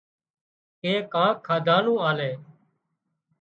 ڪي ڪانڪ کاڌا نُون آلي